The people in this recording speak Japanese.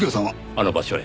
あの場所へ。